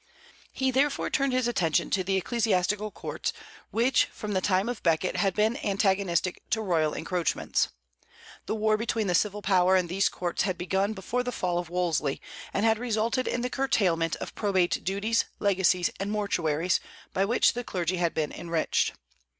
He therefore turned his attention to the ecclesiastical courts, which from the time of Becket had been antagonistic to royal encroachments. The war between the civil power and these courts had begun before the fall of Wolsey, and had resulted in the curtailment of probate duties, legacies, and mortuaries, by which the clergy had been enriched.